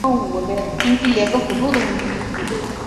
风车星系。